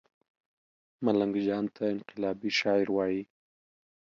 ملنګ جان ته انقلابي شاعر وايي